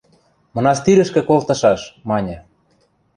– Мынастирӹшкӹ колтышаш, – маньы.